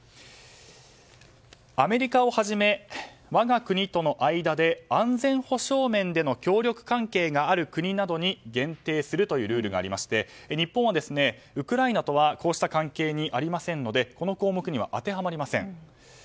アメリカをはじめ我が国との間で安全保障面での協力関係がある国などに限定するというルールがありまして日本はウクライナとはこうした関係にありませんのでこの項目には当てはまりません。